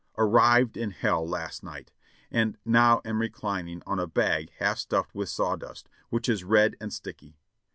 "Arrived in hell last night, and now am reclining on a bag half stuffed with sawdust, which is red and sticky.